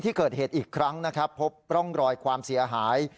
ที่เกิดเหตุอีกครั้งนะครับพบร่องรอยความเสียหาย